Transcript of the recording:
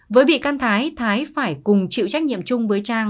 với bị can thái phải cùng chịu trách nhiệm chung với trang